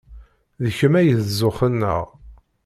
D kemm ay d zzux-nneɣ.